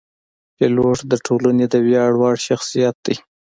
پیلوټ د ټولنې د ویاړ وړ شخصیت دی.